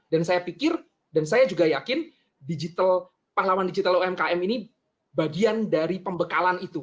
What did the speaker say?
dan saya pikir dan saya juga yakin digital pahlawan digital umkm ini bagian dari pembekalan itu